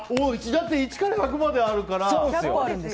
だって、１から１００まであるからさ。